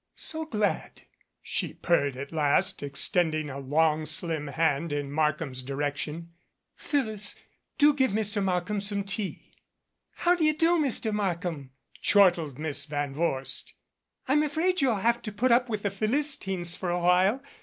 "So glad," she purred at last, extending a long slim hand in Markham's direction. "Phyllis, do give Mr. Markham some tea." "How d'ye do, Mr. Markham," chortled Miss Van Vorst. "Pm afraid you'll have to put up with the Philis tines for a while.